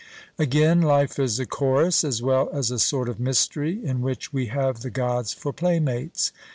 Again, life is a chorus, as well as a sort of mystery, in which we have the Gods for playmates.